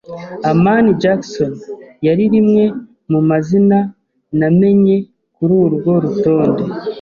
amani Jackson yari rimwe mu mazina namenye kuri urwo rutonde.